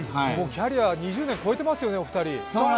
キャリア、２０年超えてますよね、お二人。